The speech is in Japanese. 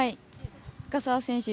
深沢選手